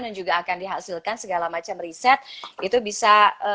dan juga akan dihasilkan segala macam riset itu bisa